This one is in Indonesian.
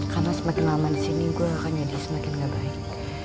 karena semakin lama di sini gua akan jadi semakin gak baik